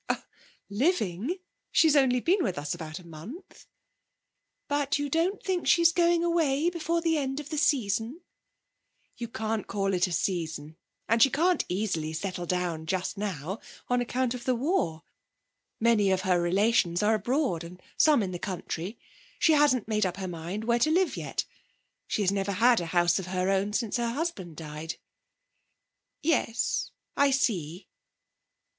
'Oh living! She's only been with us about a month.' 'But you don't think she's going away before the end of the season?' 'You can't call it a season. And she can't easily settle down just now, on account of the war. Many of her relations are abroad, and some in the country. She hasn't made up her mind where to live yet. She has never had a house of her own since her husband died.' 'Yes, I see.'